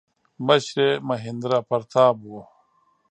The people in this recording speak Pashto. مشر یې مهیندراپراتاپ و.